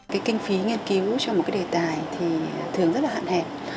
cái kinh phí nghiên cứu cho một cái đề tài thì thường rất là hạn hẹp